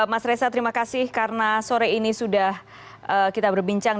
mas reza terima kasih karena sore ini sudah kita berbincang